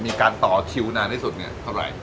มีการต่อคิวนานที่สุดเนี่ยเท่าไหร่